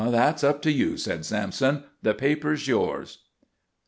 "That's up to you," said Sampson. "The paper's yours."